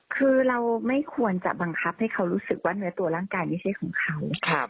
คือเราไม่ควรจะบังคับให้เขารู้สึกว่าเนื้อตัวร่างกายไม่ใช่ของเขา